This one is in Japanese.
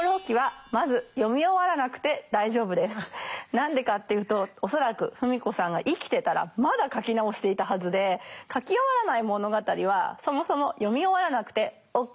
何でかっていうと恐らく芙美子さんが生きてたらまだ書き直していたはずで書き終わらない物語はそもそも読み終わらなくてＯＫです。